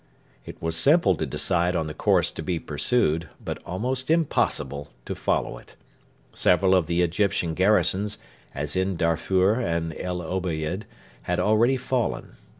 It was simple to decide on the course to be pursued, but almost impossible to follow it. Several of the Egyptian garrisons, as in Darfur and El Obeid, had already fallen.